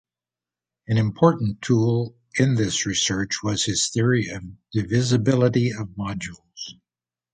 An important tool in this research was his theory of divisibility of modules.